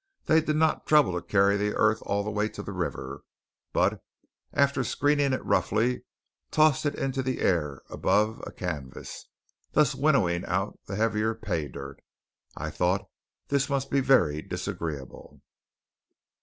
They did not trouble to carry the earth all the way to the river; but, after screening it roughly, tossed it into the air above a canvas, thus winnowing out the heavier pay dirt. I thought this must be very disagreeable.